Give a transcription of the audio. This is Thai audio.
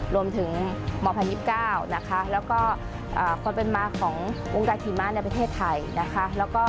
รวมถึงมพันธ์๒๙นะคะแล้วก็ความเป็นมาของวงการหิมะในประเทศไทยนะคะ